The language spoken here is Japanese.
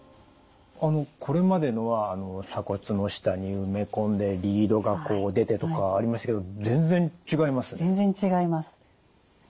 これまでのは鎖骨の下に植え込んでリードがこう出てとかありましたけど全然違いますね。